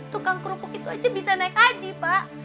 tukang kerupuk itu aja bisa naik haji pak